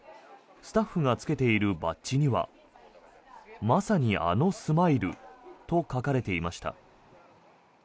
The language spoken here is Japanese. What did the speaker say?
スタッフが着けているバッジには「まさにあのスマイル」と書かれていました。